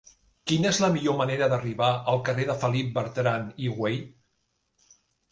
Quina és la millor manera d'arribar al carrer de Felip Bertran i Güell?